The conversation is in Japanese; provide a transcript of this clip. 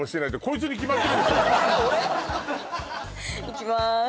いきます